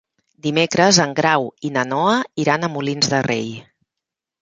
Dimecres en Grau i na Noa iran a Molins de Rei.